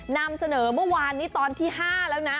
นำเสนอเมื่อวานนี้ตอนที่๕แล้วนะ